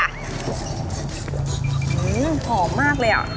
อื้อหอมมากเลยอะ